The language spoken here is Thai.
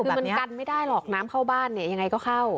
คือมันกันไม่ได้หรอกน้ำเข้าบ้านเนี่ยยังไงก็เข้า